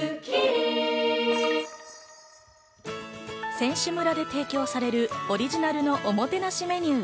選手村で提供されるオリジナルのおもてなしメニュー。